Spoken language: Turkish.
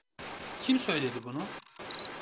Kim söyledi bunu?